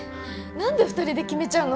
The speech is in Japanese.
何で２人で決めちゃうの？